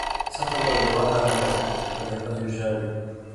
څه خبره ده وهلکه! لکه د ښځو ژاړې!